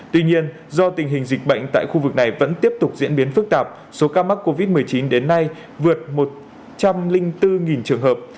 tuy nhiên do tình hình dịch bệnh tại khu vực này vẫn tiếp tục diễn biến phức tạp số ca mắc covid một mươi chín đến nay vượt một trăm linh bốn trường hợp